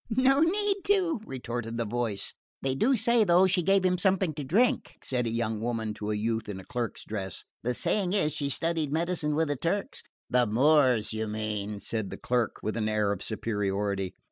"No need to," retorted the voice. "They do say, though, she gave him something to drink," said a young woman to a youth in a clerk's dress. "The saying is she studied medicine with the Turks." "The Moors, you mean," said the clerk with an air of superiority.